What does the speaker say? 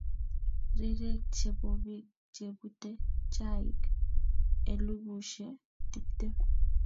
Rirek che bo biik chebute chaik elubushe tiptem.